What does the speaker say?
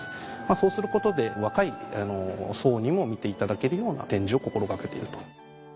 そうすることで若い層にも見ていただけるような展示を心掛けていると。